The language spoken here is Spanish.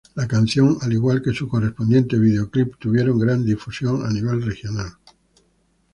La canción, al igual que su correspondiente videoclip, tuvieron gran difusión a nivel regional.